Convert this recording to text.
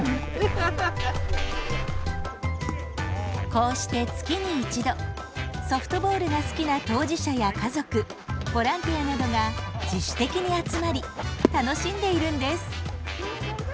こうして月に１度ソフトボールが好きな当事者や家族ボランティアなどが自主的に集まり楽しんでいるんです。